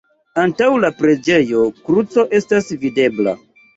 Antaŭ la preĝejo kruco estas videbla.